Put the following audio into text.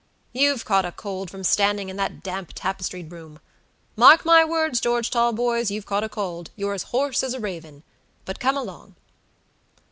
"You've caught a cold from standing in that damp tapestried room. Mark my words, George Talboys, you've caught a cold; you're as hoarse as a raven. But come along."